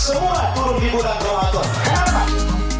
al quran semua turun di bulan ramadan